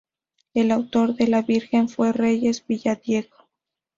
El autor de la Virgen fue Reyes Villadiego.